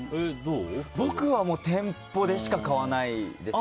僕は店舗でしか買わないです。